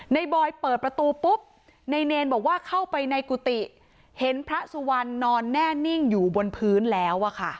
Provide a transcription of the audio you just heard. บอยเปิดประตูปุ๊บนายเนรบอกว่าเข้าไปในกุฏิเห็นพระสุวรรณนอนแน่นิ่งอยู่บนพื้นแล้วอะค่ะ